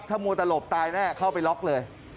ถ้ามัวตลบตายแน่เข้าไปล็อกเลย